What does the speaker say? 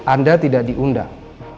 anda tidak diundang